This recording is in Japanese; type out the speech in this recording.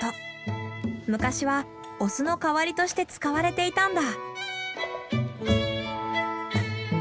昔はお酢の代わりとして使われていたんだ。